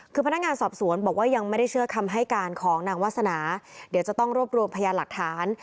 คือพนักงานสอบสวนบอกว่ายังไม่ได้เชื่อคำให้การของนางวาสนาเดี๋ยวจะต้องรวบรวมพยานหลักฐาน